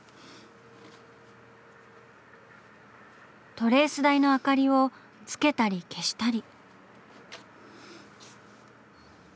トレース台の明かりをつけたり消したり。